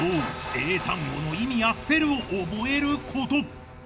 英単語の意味やスペルを覚えること。